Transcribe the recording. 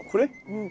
うん。